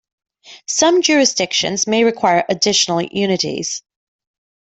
Some jurisdictions may require additional unities.